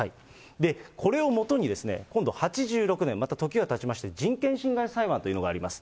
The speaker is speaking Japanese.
これをもとに、今度８６年、また時がたちまして、人権侵害裁判というのがあります。